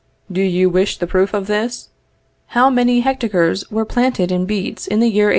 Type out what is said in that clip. Do you wish the proof of this? How many hectares were planted in beets in the year 1828?